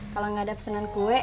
kalau nggak ada pesanan kue